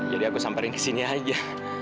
jadi aku samperin kesini aja